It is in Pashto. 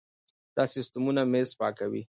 دا سیستمونه مېز پاکوي.